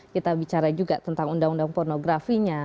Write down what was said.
kita bicara juga tentang undang undang pornografinya